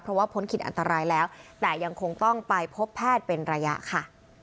เพราะว่าพ้นขิดอันตรายแล้วแต่ยังคงต้องไปพบแพทย์เป็นระยะค่ะ